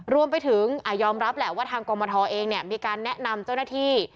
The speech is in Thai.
รวมไปถึงยอมรับแหละว่าทางกรมทเองมีการแนะนำเจ้าหน้าที่